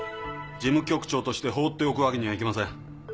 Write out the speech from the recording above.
事務局長として放っておくわけにはいきません。